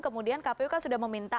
kemudian kpu kan sudah meminta